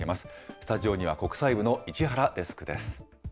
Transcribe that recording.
スタジオには国際部の市原デスクです。